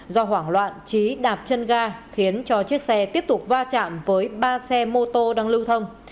do hoảng loạn trí đạp chân ga khiến cho chiếc xe tiếp tục va chạm với ba xe mô tô đang lưu thông